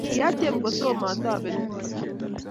kiatiem komo topen konyek.